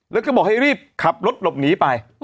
แล้วก็บอกให้รีบขับรถหลบหนีไป